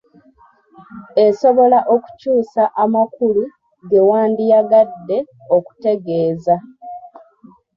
Esobola okukyusa amakulu ge wandiyagadde okutegeeza.